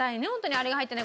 あれが入ってない